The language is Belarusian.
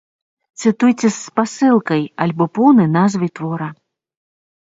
Цытуйце з спасылкай альбо поўнай назвай твора.